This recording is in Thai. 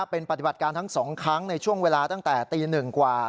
เป็นปฏิบัติการทั้ง๒ครั้งในช่วงเวลาตั้งแต่ตี๑กว่า